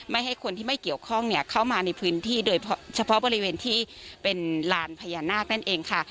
ให้คนที่ไม่เกี่ยวข้องเนี่ยเข้ามาในพื้นที่โดยเฉพาะบริเวณที่เป็นลานพญานาคนั่นเองค่ะ